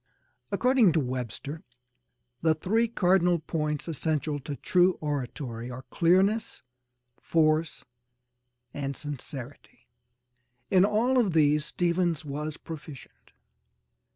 According to Webster, the three cardinal points essential to true oratory are clearness, force and sincerity. In all of these Stephens was proficient.